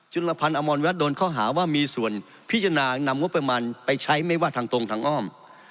ลพันธ์อมรวัฒน์โดนเข้าหาว่ามีส่วนพิจารณานำงบประมาณไปใช้ไม่ว่าทางตรงทางอ้อม